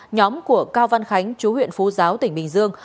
nhóm của cao văn khánh chú huyện phú giáo tỉnh bình dương